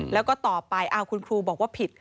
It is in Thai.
แล้วก็ต่อไปคุณครูบอกว่าผิด